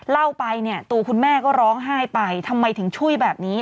เล่าไปเนี่ยตัวคุณแม่ก็ร้องไห้ไปทำไมถึงช่วยแบบนี้